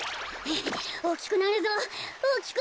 おおきくなるぞおおきく。